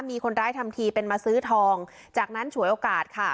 มีคนร้ายทำทีเป็นมาซื้อทองจากนั้นฉวยโอกาสค่ะ